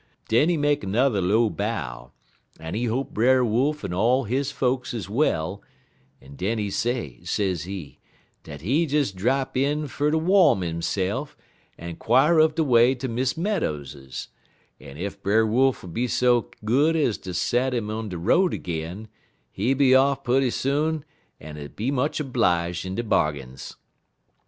Den he make n'er low bow, en he hope Brer Wolf and all his folks is well, en den he say, sezee, dat he des drap in fer ter wom hisse'f, en 'quire uv de way ter Miss Meadows', en ef Brer Wolf be so good ez ter set 'im in de road ag'in, he be off putty soon en be much 'blige in de bargains.